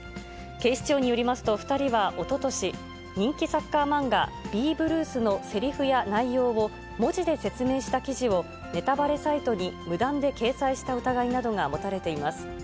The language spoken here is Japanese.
警視庁によりますと、２人はおととし、人気サッカー漫画、ビー・ブルース！のせりふや内容を文字で説明した記事をネタバレサイトに無断で掲載した疑いなどが持たれています。